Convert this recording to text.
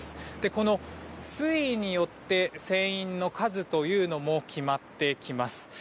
この水位によって船員の数も決まってきます。